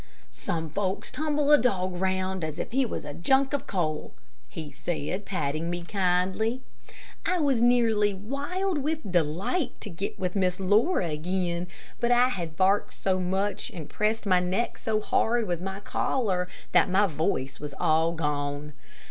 "Some folks tumble a dog round as if he was a junk of coal," he said, patting me kindly. I was nearly wild with delight to get with Miss Laura again, but I had barked so much, and pressed my neck so hard with my collar that my voice was all gone.